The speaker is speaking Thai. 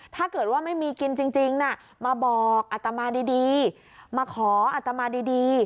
ถ้าเกิดว่าไม่มีกินจริงน่ะมาบอกอัตมาดีมาขออัตมาดี